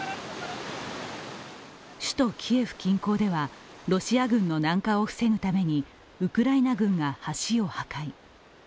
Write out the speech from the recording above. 首都キエフ近郊ではロシア軍の南下を防ぐためにウクライナ軍が橋を破壊。